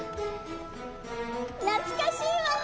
懐かしいわ！